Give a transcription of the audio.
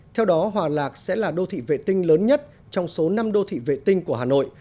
theo đó hòa lạc sẽ là đô thị vệ tinh lớn nhất trong số năm đô thị vệ tinh của hà nội